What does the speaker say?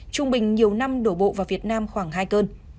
trung bình nhiều năm đổ bộ vào việt nam khoảng hai cơn